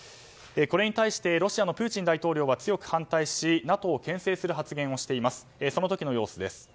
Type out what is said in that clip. これに対して、ロシアのプーチン大統領は強く反対しＮＡＴＯを牽制するような発言をしています。